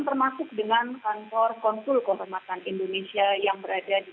termasuk dengan kantor konsul kehormatan indonesia yang berada di